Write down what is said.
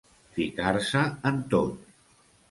Ficar-se en tot.